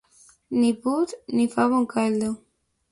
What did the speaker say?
Ni put ni fa bon caldo.